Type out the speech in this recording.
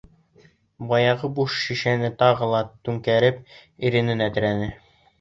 Баяғы буш шешәне тағы ла түңкәреп ирененә терәне.